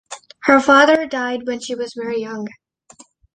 Her father died when she was very young.